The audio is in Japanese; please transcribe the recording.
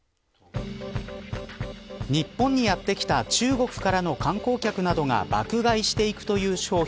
日本にやってきた中国からの観光客などが爆買いしていくという商品。